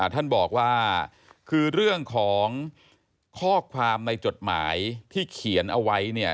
ท่านบอกว่าคือเรื่องของข้อความในจดหมายที่เขียนเอาไว้เนี่ย